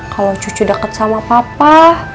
kalau cucu dekat sama papa